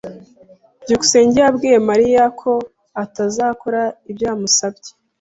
byukusenge yabwiye Mariya ko atazakora ibyo yamusabye.